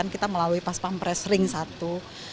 kita melalui pas pam pres ring satu